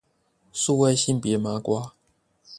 數位性別麻瓜